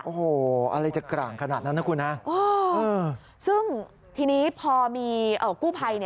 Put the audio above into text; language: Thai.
โอ้โฮอะไรจะกร่างขนาดนั้นนะคุณฮะ